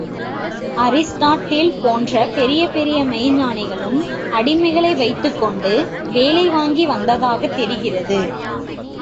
Aristotle போன்ற பெரிய பெரிய மெய்ஞ்ஞானிகளும் அடிமைகளை வைத்துக்கொண்டு வேலை வாங்கி வந்ததாகத் தெரிகிறது.